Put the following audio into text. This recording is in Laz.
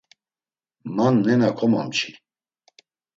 Man nena komomçi.